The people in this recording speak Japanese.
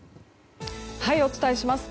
お伝えします。